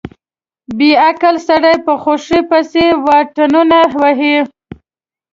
بې عقل سړی په خوښۍ پسې واټنونه وهي.